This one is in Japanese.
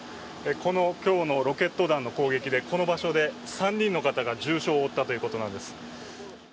この今日のロケット弾の攻撃でこの場所で３人の方が重傷を負ったということなんです。